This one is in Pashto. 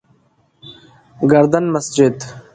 گردن مسجد: